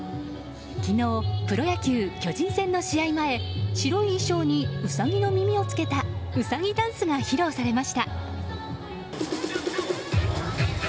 昨日、プロ野球、巨人戦の試合前白い衣装にウサギの耳を着けたうさぎダンスが披露されました。